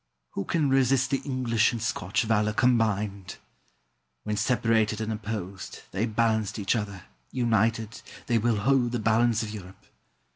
Who can resist the English and Scotch valour combined? When separated and opposed, they balanced each other; united, they will hold the balance of Europe.